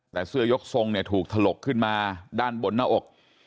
แต่เสื้อยกทรงเนี่ยถูกถลกขึ้นมาด้านบนหน้าอก